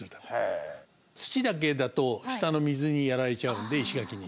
土だけだと下の水にやられちゃうんで石垣に。